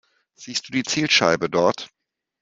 Siehst du die Zielscheibe dort?